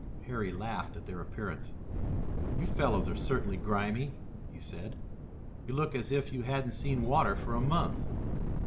Harry laughed at their appearance. "You fellows are certainly grimy," he said. "You look as if you hadn't seen water for a month."